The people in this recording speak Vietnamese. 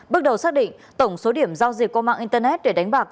bước đầu xác định tổng số điểm giao dịch qua mạng internet để đánh bạc